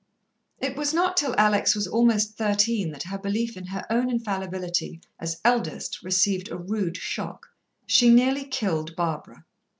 It was not till Alex was almost thirteen that her belief in her own infallibility as eldest received a rude shock. She nearly killed Barbara.